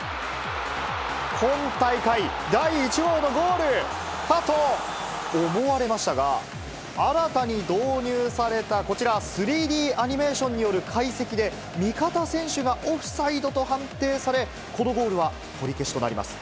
今大会第１号のゴールかと思われましたが、新たに導入されたこちら、３Ｄアニメーションによる解析で、味方選手がオフサイドと判定され、このゴールは取り消しとなります。